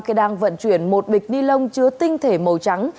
khi đang vận chuyển một bịch ni lông chứa tinh thể màu trắng